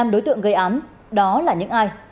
năm đối tượng gây án đó là những ai